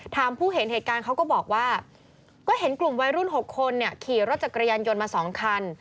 ผู้เห็นเหตุการณ์เขาก็บอกว่าก็เห็นกลุ่มวัยรุ่น๖คนขี่รถจักรยานยนต์มา๒คัน